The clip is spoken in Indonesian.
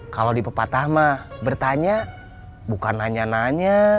kalau di pepatah mah bertanya bukan hanya nanya